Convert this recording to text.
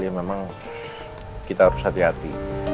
ya memang kita harus hati hati